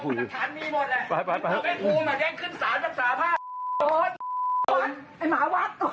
มึงยิงเปย์ถูกเขามึงคูยักษ์ฆ่าเขา